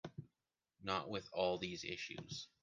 Not with all these issues.